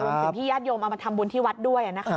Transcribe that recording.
รวมถึงพี่ยาดยมเอามาทำบุญที่วัดด้วย